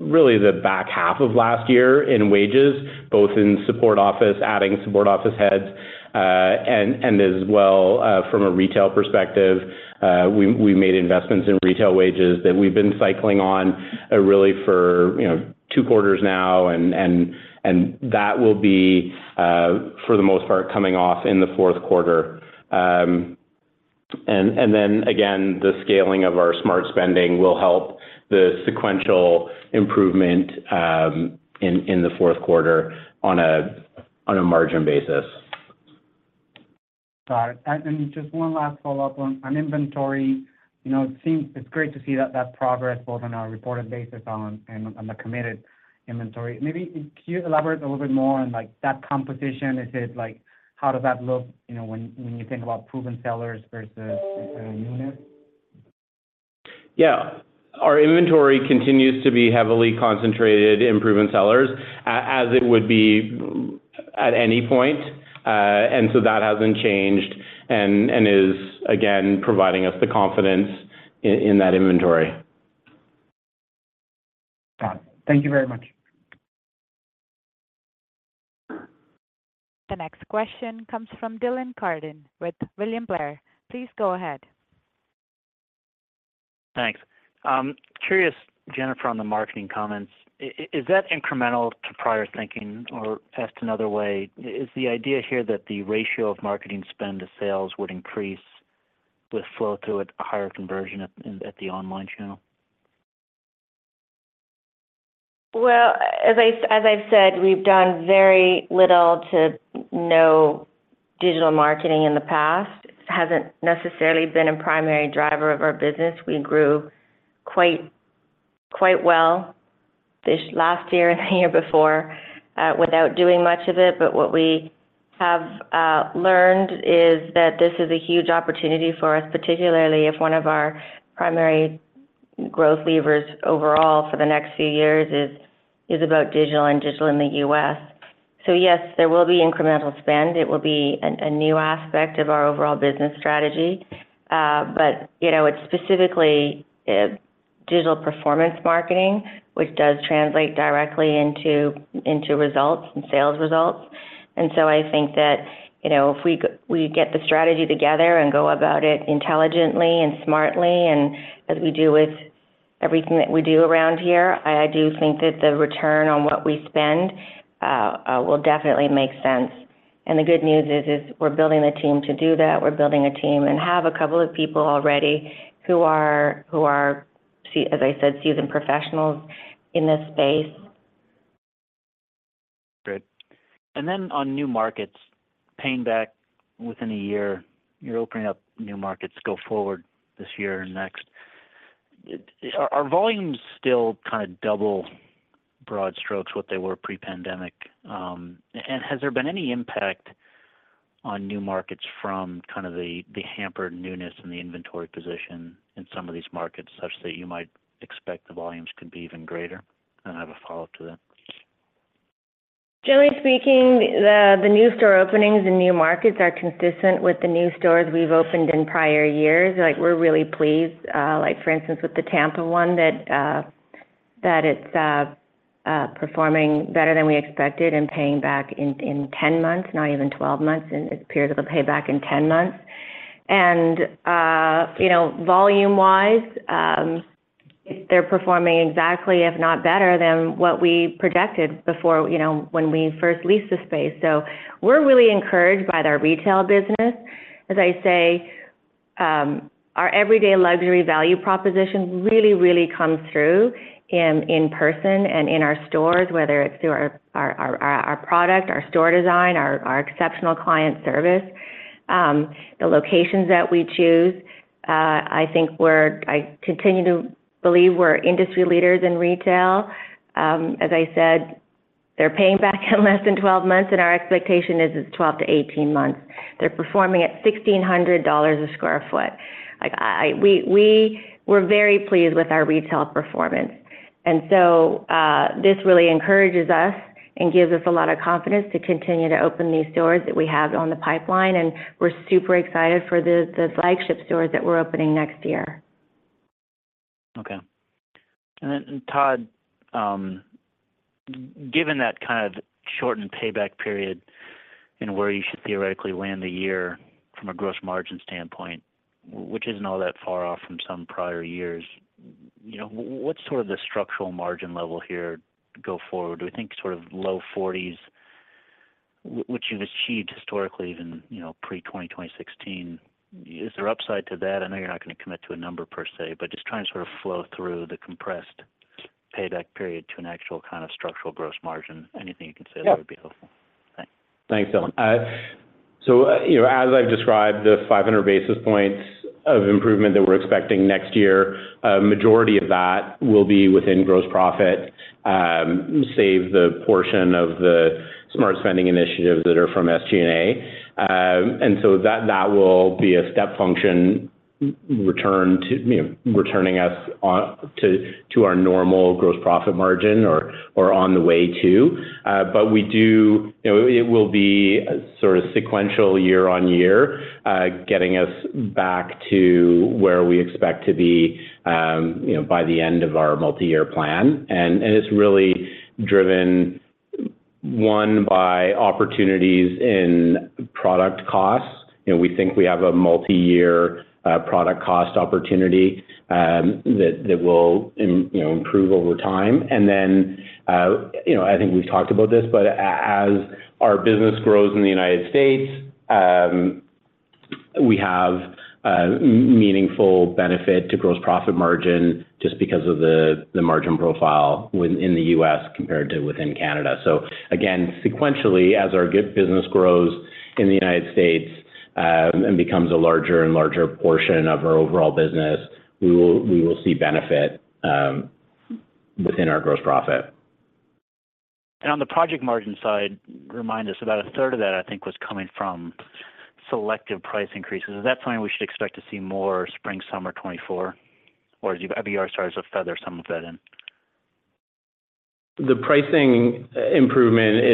really, the back half of last year in wages, both in Support Office, adding Support Office heads, and, as well, from a retail perspective, we made investments in retail wages that we've been cycling on, really for, you know, two quarters now, and that will be, for the most part, coming off in the fourth quarter. Then again, the scaling of our Smart Spending will help the sequential improvement in the fourth quarter on a margin basis. Got it. Just one last follow-up on inventory. You know, it seems it's great to see that progress, both on a reported basis and on the committed inventory. Maybe can you elaborate a little bit more on, like, that composition? Is it, like, how does that look, you know, when you think about proven sellers versus newness? Yeah. Our inventory continues to be heavily concentrated in proven sellers, as it would be at any point, and so that hasn't changed and, and is, again, providing us the confidence in that inventory. Got it. Thank you very much. The next question comes from Dylan Carden with William Blair. Please go ahead. Thanks. Curious, Jennifer, on the marketing comments, is that incremental to prior thinking? Or asked another way, is the idea here that the ratio of marketing spend to sales would increase with flow through a higher conversion at the online channel? Well, as I, as I've said, we've done very little to no digital marketing in the past. It hasn't necessarily been a primary driver of our business. We grew quite, quite well this last year and the year before, without doing much of it. But what we have learned is that this is a huge opportunity for us, particularly if one of our primary growth levers overall for the next few years is about digital and digital in the U.S. So yes, there will be incremental spend. It will be a new aspect of our overall business strategy. But, you know, it's specifically digital performance marketing, which does translate directly into results and sales results. I think that, you know, if we get the strategy together and go about it intelligently and smartly, and as we do with everything that we do around here, I do think that the return on what we spend will definitely make sense. The good news is, we're building the team to do that. We're building a team and have a couple of people already who are, as I said, seasoned professionals in this space. Great. And then on new markets, paying back within a year, you're opening up new markets go forward this year and next. Are volumes still kinda double, in broad strokes, what they were pre-pandemic? And has there been any impact on new markets from kind of the hampered newness in the inventory position in some of these markets, such that you might expect the volumes could be even greater? And I have a follow-up to that. Generally speaking, the new store openings and new markets are consistent with the new stores we've opened in prior years. Like, we're really pleased, like for instance, with the Tampa one, that it's performing better than we expected and paying back in 10 months, not even 12 months, and it's period of the payback in 10 months. And, you know, volume-wise, they're performing exactly, if not better than what we projected before, you know, when we first leased the space. So we're really encouraged by their retail business. As I say, our Everyday Luxury value proposition really, really comes through in person and in our stores, whether it's through our product, our store design, our exceptional client service, the locations that we choose. I think we're-- I continue to believe we're industry leaders in retail. As I said, they're paying back in less than 12 months, and our expectation is it's 12-18 months. They're performing at $1,600 a sq ft. Like, we were very pleased with our retail performance. And so, this really encourages us and gives us a lot of confidence to continue to open these stores that we have on the pipeline, and we're super excited for the flagship stores that we're opening next year. Okay. And then, Todd, given that kind of shortened payback period and where you should theoretically land the year from a gross margin standpoint, which isn't all that far off from some prior years, you know, what's sort of the structural margin level here go forward? Do we think sort of low 40s, which you've achieved historically, even, you know, pre-2020, 2016? Is there upside to that? I know you're not gonna commit to a number per se, but just trying to sort of flow through the compressed payback period to an actual kind of structural gross margin. Anything you can say- Yeah. would be helpful. Thanks. Thanks, Dylan. So, you know, as I've described, the 500 basis points of improvement that we're expecting next year, a majority of that will be within gross profit, save the portion of the Smart Spending initiatives that are from SG&A. And so that, that will be a step function, return to, you know, returning us on, to, to our normal gross profit margin or, or on the way to. But we do, you know, it will be a sort of sequential year-over-year, getting us back to where we expect to be, you know, by the end of our multi-year plan. And, and it's really driven, one, by opportunities in product costs. You know, we think we have a multi-year product cost opportunity, that, that will, you know, improve over time. And then, you know, I think we've talked about this, but as our business grows in the United States, we have meaningful benefit to gross profit margin just because of the margin profile within the U.S. compared to within Canada. So again, sequentially, as our U.S. business grows in the United States, and becomes a larger and larger portion of our overall business, we will, we will see benefit within our gross profit. On the gross margin side, remind us, about a third of that, I think, was coming from selective price increases. Is that something we should expect to see more Spring/Summer 2024, or do you, have you already started to feather some of that in? The pricing improvement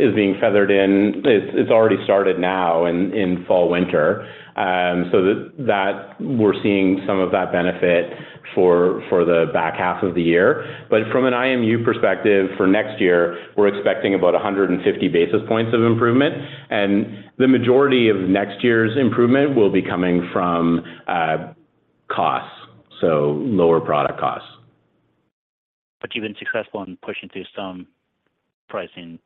is being feathered in. It's already started now in Fall/Winter, so that we're seeing some of that benefit for the back half of the year. But from an IMU perspective for next year, we're expecting about 150 basis points of improvement, and the majority of next year's improvement will be coming from costs, so lower product costs. But you've been successful in pushing through some pricing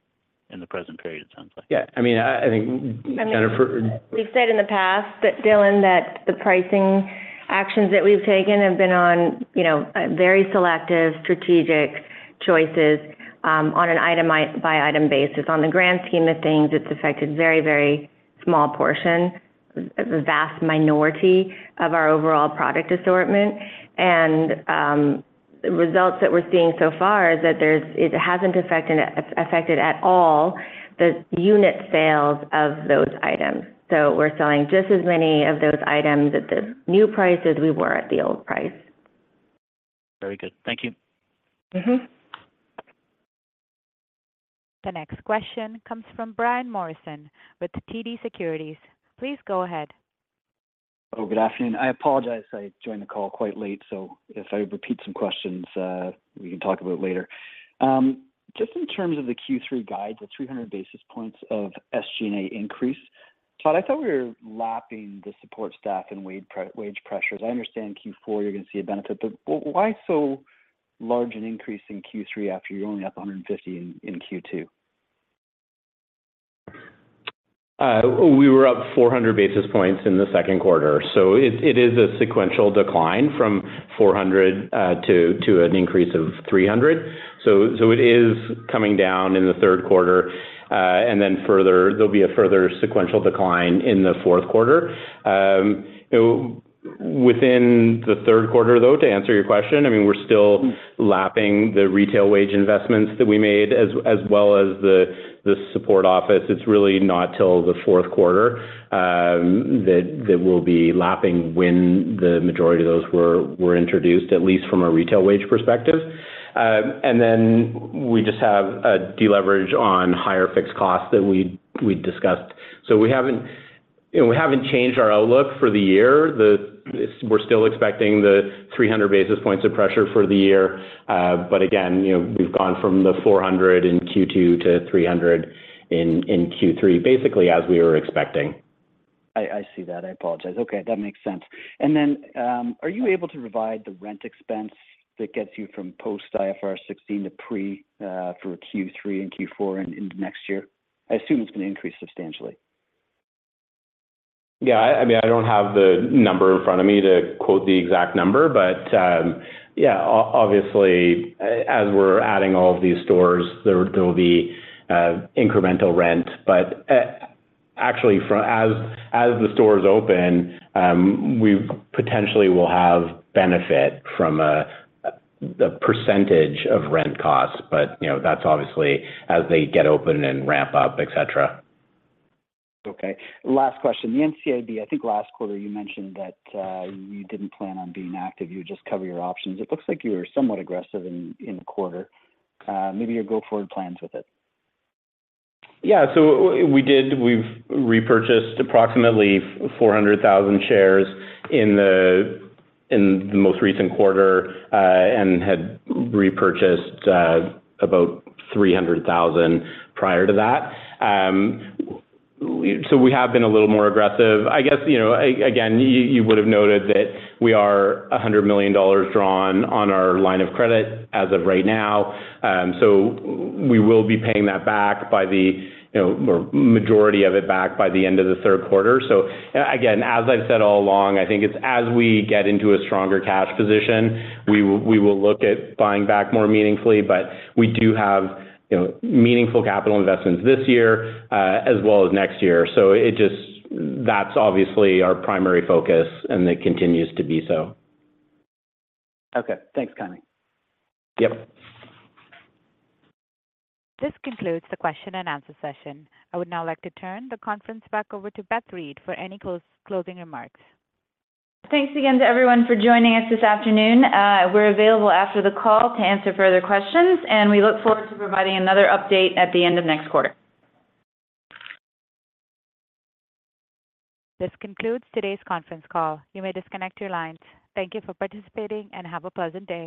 in the present period, it sounds like? Yeah. I mean, I, I think, Jennifer- I mean, we've said in the past that, Dylan, that the pricing actions that we've taken have been on, you know, very selective, strategic choices, on an item by item basis. On the grand scheme of things, it's affected a very, very small portion, a vast minority of our overall product assortment. And, the results that we're seeing so far is that it hasn't affected at all the unit sales of those items. So we're selling just as many of those items at the new price as we were at the old price. Very good. Thank you. Mm-hmm. The next question comes from Brian Morrison with TD Securities. Please go ahead. Oh, good afternoon. I apologize I joined the call quite late, so if I repeat some questions, we can talk about it later. Just in terms of the Q3 guide, the 300 basis points of SG&A increase, Todd, I thought we were lapping the support staff and wage pressures. I understand Q4, you're going to see a benefit, but why so large an increase in Q3 after you're only up 150 in Q2? We were up 400 basis points in the second quarter, so it is a sequential decline from 400 to an increase of 300. So it is coming down in the third quarter, and then further, there'll be a further sequential decline in the fourth quarter. So within the third quarter, though, to answer your question, I mean, we're still lapping the retail wage investments that we made, as well as the Support Office. It's really not till the fourth quarter that we'll be lapping when the majority of those were introduced, at least from a retail wage perspective. And then we just have a deleverage on higher fixed costs that we discussed. So we haven't, you know, we haven't changed our outlook for the year. We're still expecting the 300 basis points of pressure for the year, but again, you know, we've gone from the 400 in Q2 to 300 in Q3, basically as we were expecting. I see that. I apologize. Okay, that makes sense. And then, are you able to provide the rent expense that gets you from post-IFRS 16 to pre-, for Q3 and Q4 and into next year? I assume it's going to increase substantially. Yeah, I mean, I don't have the number in front of me to quote the exact number, but, yeah, obviously, as we're adding all of these stores, there will be incremental rent. But, actually, for as the stores open, we potentially will have benefit from the percentage of rent costs, but, you know, that's obviously as they get open and ramp up, etc. Okay, last question. The NCIB, I think last quarter you mentioned that you didn't plan on being active, you would just cover your options. It looks like you were somewhat aggressive in the quarter. Maybe your go-forward plans with it. Yeah, so we did. We've repurchased approximately 400,000 shares in the, in the most recent quarter, and had repurchased about 300,000 prior to that. So we have been a little more aggressive. I guess, you know, again, you would have noted that we are $100 million drawn on our line of credit as of right now, so we will be paying that back by the, you know, or majority of it back by the end of the third quarter. So again, as I've said all along, I think it's as we get into a stronger cash position, we will, we will look at buying back more meaningfully. But we do have, you know, meaningful capital investments this year, as well as next year. So it just, that's obviously our primary focus, and it continues to be so. Okay, thanks, Todd. Yep. This concludes the question and answer session. I would now like to turn the conference back over to Beth Reed for any closing remarks. Thanks again to everyone for joining us this afternoon. We're available after the call to answer further questions, and we look forward to providing another update at the end of next quarter. This concludes today's conference call. You may disconnect your lines. Thank you for participating, and have a pleasant day.